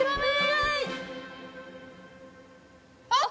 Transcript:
あっ。